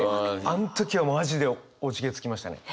あの時はマジでおじけづきましたね。